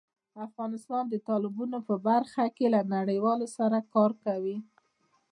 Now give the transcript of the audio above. افغانستان د تالابونو په برخه کې له نړیوالو سره کار کوي.